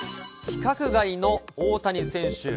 規格外の大谷選手。